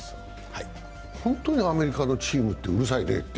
本当にアメリカのチームってうるさいね。